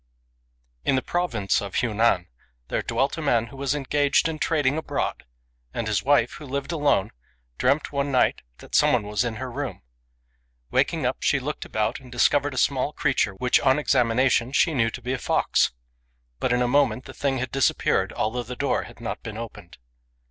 IN the province of Hunan there dwelt a man who was engaged in trading abroad; and his wife, who lived alone, dreamt one night that some one was in her room. Waking up, she looked about, and discovered a small creature which on examination she knew to be a fox; but in a moment the thing had disappeared, although the door had not been opened.